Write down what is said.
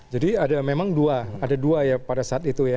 jadi memang ada dua ada dua ya pada saat itu ya